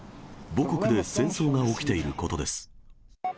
母国で戦争が起きていることです。